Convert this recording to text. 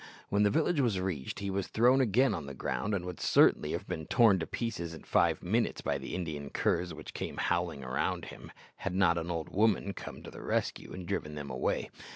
When the village was reached, he was thrown again on the ground, and would certainly have been torn to pieces in five minutes by the Indian curs which came howling round him, had not an old woman come to the rescue and driven them away.